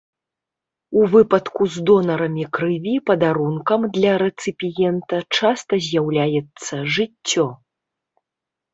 У выпадку з донарамі крыві падарункам для рэцыпіента часта з'яўляецца жыццё.